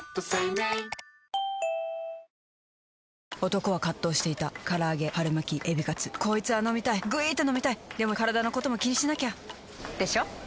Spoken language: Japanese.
男は葛藤していた唐揚げ春巻きエビカツこいつぁ飲みたいぐいーーっと飲みたいでもカラダのことも気にしなきゃ！でしょ？